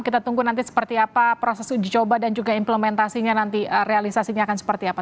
kita tunggu nanti seperti apa proses uji coba dan juga implementasinya nanti realisasinya akan seperti apa